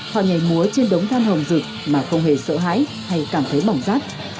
họ nhảy múa trên đống than hồng dực mà không hề sợ hãi hay cảm thấy bỏng rát